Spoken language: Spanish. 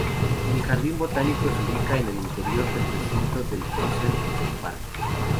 El jardín botánico se ubica en el interior del recinto del "Ocean Expo Park".